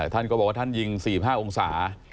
ท่านก็บอกว่าท่านยิง๔๕องศา